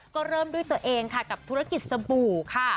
ก็เริ่มด้วยตัวเองค่ะกับธุรกิจสบู่ค่ะ